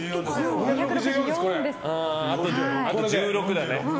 あと１６だね。